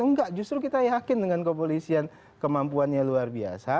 enggak justru kita yakin dengan kepolisian kemampuannya luar biasa